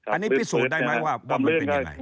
อันนี้พิสูจน์ได้ไหมว่ามันเป็นยังไง